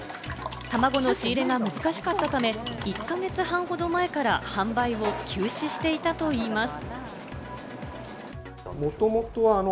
たまごの仕入れが難しかったため、１か月半ほど前から販売を休止していたといいます。